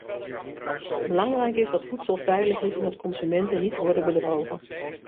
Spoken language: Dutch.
Belangrijk is dat voedsel veilig is en dat consumenten niet worden bedrogen.